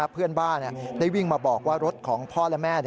เพื่อนบ้านได้วิ่งมาบอกว่ารถของพ่อและแม่